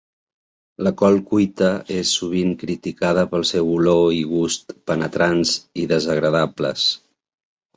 La col cuita és sovint criticada pel seu olor i gust penetrants i desagradables.